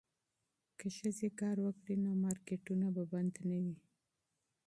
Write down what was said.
که ښځې کار وکړي نو مارکیټونه به بند نه وي.